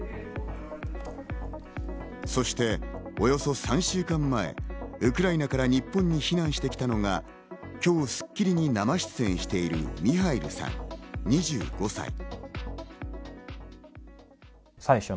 そしておよそ３週間前、ウクライナから日本に避難してきたのが今日『スッキリ』に生出演してるミハイルさん、２５歳。